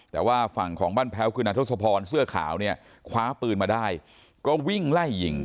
แต่ว่าฝั่งของบ้านแพ้วคือนาทศพรเสื้อขาวเนี่ยคว้าปืนมาได้ก็วิ่งไล่ยิง